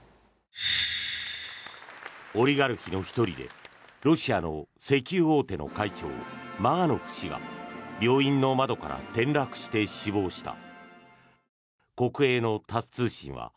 オリガルヒの１人でロシアの石油大手の会長マガノフ氏が病院の窓から転落して死亡した。